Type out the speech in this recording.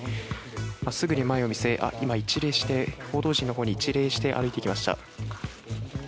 真っすぐに前を見据え報道陣のほうに一礼して歩いていきました。